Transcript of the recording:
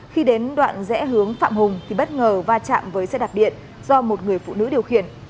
khi đến đoạn rẽ hướng phạm hùng thì bất ngờ va chạm với xe đạp điện do một người phụ nữ điều khiển